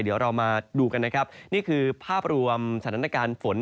เดี๋ยวเรามาดูกันนะครับนี่คือภาพรวมสถานการณ์ฝน